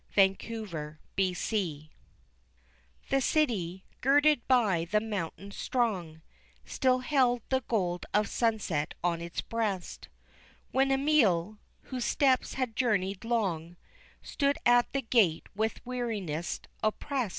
Ammiel's Gift The City, girded by the mountain strong, Still held the gold of sunset on its breast, When Ammiel, whose steps had journeyed long, Stood at the gate with weariness opprest.